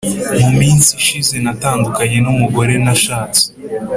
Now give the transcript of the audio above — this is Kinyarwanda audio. muminsi ishize natandukanye numugore nashatse